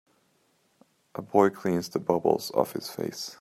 a boy cleans the bubbles off his face.